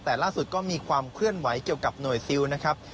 แต่ล่าสุดก็มีความเคลื่อนไหวเกี่ยวกับหน่วยซิลนะครับ